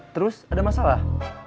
terus ada masalah